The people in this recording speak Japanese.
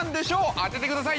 当ててください！